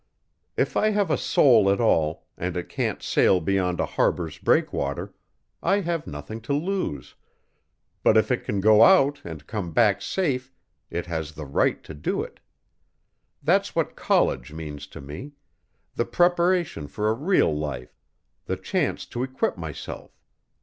If I have a soul at all, and it can't sail beyond a harbor's breakwater, I have nothing to lose, but if it can go out and come back safe it has the right to do it. That's what college means to me: the preparation for a real life: the chance to equip myself.